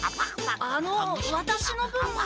あのワタシの分は？